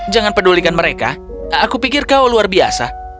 jangan pedulikan mereka aku pikir kau luar biasa